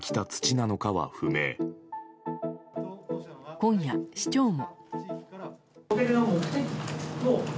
今夜、市長も。